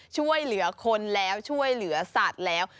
ช่วยเหลือคนแล้วช่วยเหลือสัตว์แล้ว